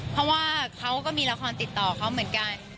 เพราะว่าเขาก็มีละครติดต่อเขาเหมือนกัน